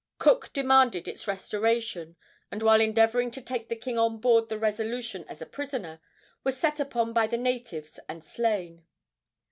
Cook demanded its restoration, and, while endeavoring to take the king on board the Resolution as a prisoner, was set upon by the natives and slain.